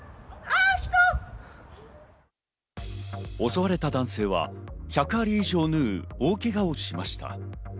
襲われた男性は１００針以上を縫う大けがをしました。